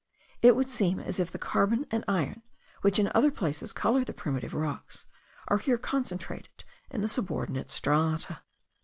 It would seem as if the carbon and iron, which in other places colour the primitive rocks, are here concentrated in the subordinate strata.